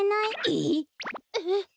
えっ？えっ！？